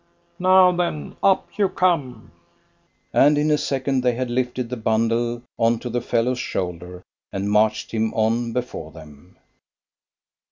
Now, then, up you come;" and in a second they had lifted the bundle on to the fellow's shoulder, and marched him on before them.